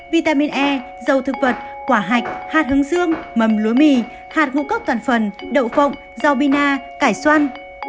vitamin e dầu thực vật quả hạch hạt hướng dương mầm lúa mì hạt ngũ cốc toàn phần đậu phộng rau bina cải xoăn